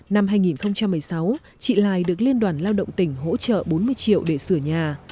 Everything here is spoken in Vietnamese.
năm hai nghìn một mươi sáu chị lài được liên đoàn lao động tỉnh hỗ trợ bốn mươi triệu để sửa nhà